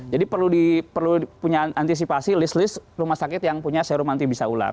jadi perlu di perlu punya antisipasi list list rumah sakit yang punya serum anti bisa ular